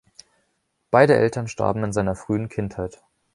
Beide Eltern starben in seiner frühen Kindheit.